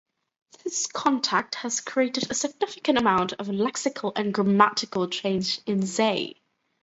This contact has created a significant amount of lexical and grammatical change in Zay.